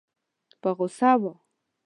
په غوسه وه.